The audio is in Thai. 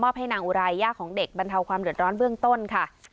ให้นางอุไรย่าของเด็กบรรเทาความเดือดร้อนเบื้องต้นค่ะ